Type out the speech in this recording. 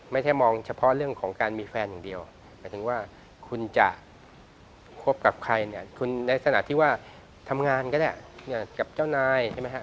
ไม่ใช่มองเฉพาะเรื่องของการมีแฟนอย่างเดียวหมายถึงว่าคุณจะคบกับใครเนี่ยคุณในขณะที่ว่าทำงานก็ได้กับเจ้านายใช่ไหมฮะ